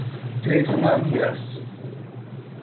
Três Marias